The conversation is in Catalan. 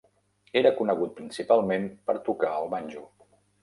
Era conegut principalment per tocar el banjo.